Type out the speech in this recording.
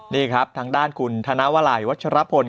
นี่ครับทางด้านคุณธนวลัยวัชรพล